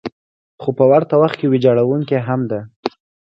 خو په ورته وخت کې ویجاړونکې هم ده.